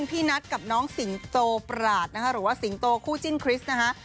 พี่นัทกับน้องสิงโตปราศนะคะหรือว่าสิงโตคู่จิ้นคริสต์นะคะ